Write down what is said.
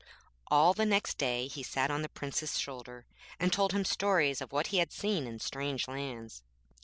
All the next day he sat on the Prince's shoulder, and told him stories of what he had seen in strange lands.